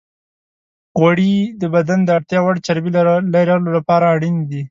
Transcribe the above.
غوړې د بدن د اړتیا وړ چربی لرلو لپاره اړینې دي.